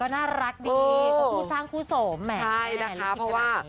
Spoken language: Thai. น่ารักดีผู้ช่างผู้สวมนะ